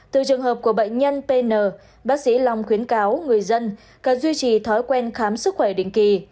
từ trường hợp của bệnh nhân pn bác sĩ long khuyến cáo người dân cần duy trì thói quen khám sức khỏe định kỳ